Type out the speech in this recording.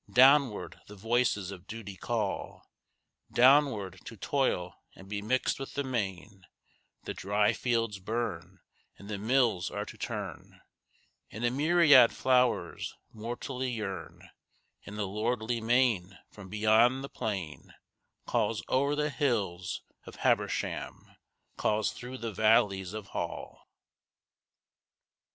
Downward the voices of Duty call Downward, to toil and be mixed with the main, The dry fields burn, and the mills are to turn, And a myriad flowers mortally yearn, And the lordly main from beyond the plain Calls o'er the hills of Habersham, Calls through the valleys of Hall.